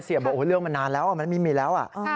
เสียบอกเรื่องมันนานแล้วมันมีแล้ว